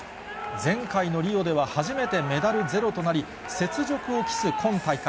前回のリオでは、初めてメダルゼロとなり、雪辱を期す今大会。